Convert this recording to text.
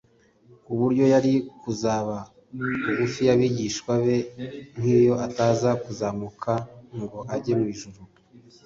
ku buryo yari kuzaba bugufi bw'abigishwa be nk'iyo ataza kuzamuka ngo ajye mu ijuru.